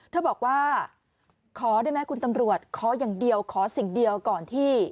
เธอบอกว่าขอได้ไหมคุณตำรวจขออย่างเดียวขอสิ่งเดียวก่อนที่